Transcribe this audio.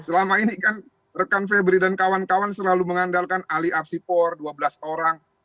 selama ini kan rekan febri dan kawan kawan selalu mengandalkan ahli apsipor dua belas orang